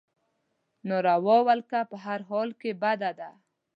ناروا ولکه په هر حال کې بده ده.